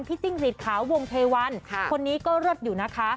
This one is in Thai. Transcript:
จิ้งหลีดขาววงเทวันคนนี้ก็เลิศอยู่นะคะ